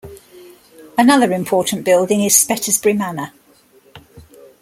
Another important building is Spetisbury Manor.